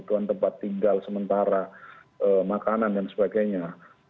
kebutuhan tempat tinggal sementara makanan dan sebagainya